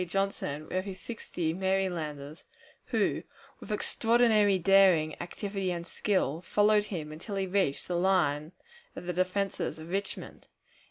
Johnson with his sixty Marylanders, who, with extraordinary daring, activity, and skill, followed him until he reached the line of the defenses of Richmond.